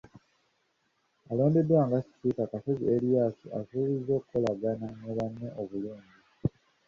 Alondeddwa nga sipiika, Kasozi Erias asuubizza okukolagana ne banne obulungi.